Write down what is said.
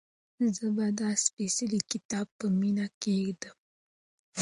زه به دا سپېڅلی کتاب په مینه کېږدم.